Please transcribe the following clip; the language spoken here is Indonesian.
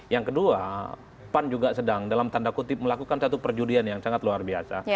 yang kedua pan juga sedang dalam tanda kutip melakukan satu perjudian yang sangat luar biasa